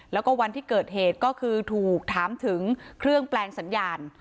แล้วก็วันที่เกิดเหตุก็คือถูกถามถึงเครื่องแปลงสัญญาณ